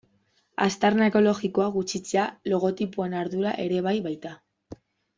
Aztarna ekologikoa gutxitzea logotipoen ardura ere bai baita.